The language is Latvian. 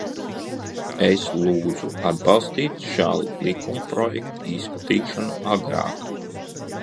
Es lūdzu atbalstīt šā likumprojekta izskatīšanu agrāk.